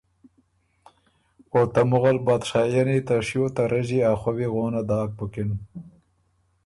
او ته مغل بادشائنی ته شیو ته رݫی ا خووی غونه داک بُکِن۔